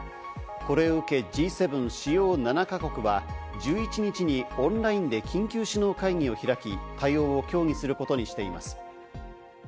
これを受けＧ７＝主要７か国は１１日にオンラインで緊急首脳会議を開き、対応を協議することにしています。